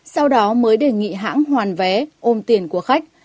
sau đó mới đề nghị hãng hoàn vé ôm tiền của khách